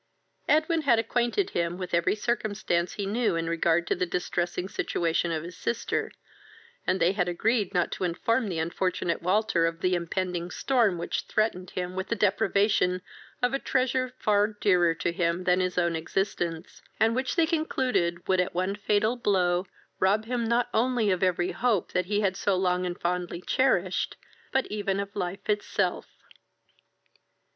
Edwin had acquainted him with every circumstance he knew in regard to the distressing situation of his sister, and they had agreed not to inform the unfortunate Walter of the impending storm which threatened him with the deprivation of a treasure far dearer to him than his own existence, and which they concluded would at one fatal blow rob him not only of every hope that he had so long and fondly cherished, but even of life itself.